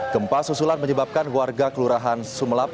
gempa susulan menyebabkan warga kelurahan sumelap